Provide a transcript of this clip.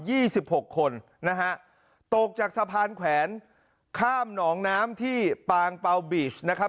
สิบหกคนนะฮะตกจากสะพานแขวนข้ามหนองน้ำที่ปางเปล่าบีชนะครับ